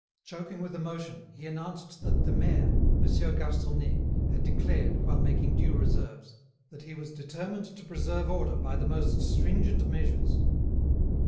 Choking with emotion, he announced that the mayor, Monsieur Garconnet, had declared, while making due reserves, that he was determined to preserve order by the most stringent measures.